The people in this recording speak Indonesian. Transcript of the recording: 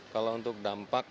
kalau untuk dampak